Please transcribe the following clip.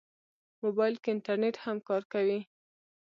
موبایل کې انټرنیټ هم کار کوي.